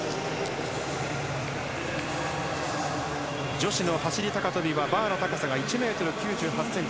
女子の走り高跳びはバーの高さが１ｍ９８ｃｍ